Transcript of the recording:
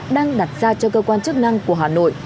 đang đặt ra cho cơ quan chức năng của hà nội